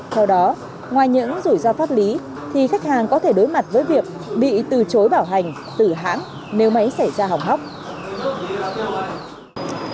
theo đó ngoài những rủi ro pháp lý thì khách hàng có thể đối mặt với việc bị từ chối bảo hành từ hãng nếu máy xảy ra hỏng hóc